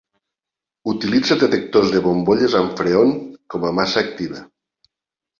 Utilitza detectors de bombolles amb Freon com a massa activa.